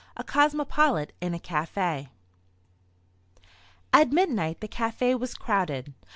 A COSMOPOLITE IN A CAFÉ At midnight the café was crowded.